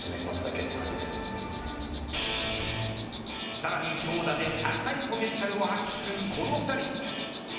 さらに投打で高いポテンシャルを発揮するこの２人。